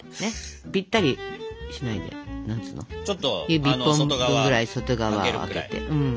指１本分ぐらい外側空けて。